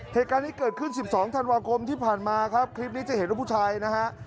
เหตุการณ์ที่เกิดขึ้น๑๒ธันวาคมที่ผ่านมาครับคลิปนี้จะเห็นว่าผู้ชายนะฮะ